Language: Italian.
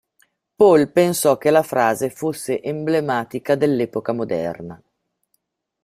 Paul pensò che la frase fosse emblematica dell'epoca moderna.